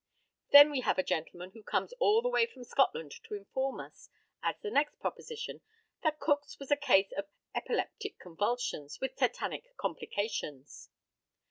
Then we have a gentleman who comes all the way from Scotland to inform us, as the next proposition, that Cook's was a case of epileptic convulsions, with tetanic complications.